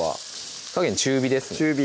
火加減中火ですね